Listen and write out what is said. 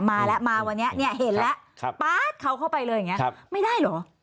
มาแล้วมาวันนี้เห็นแล้วป๊า๊ดเขาเข้าไปเลยไม่ได้หรอ